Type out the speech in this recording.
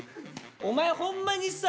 お前ホンマにさ。